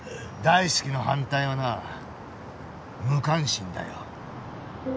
「大好き」の反対はな「無関心」だよ。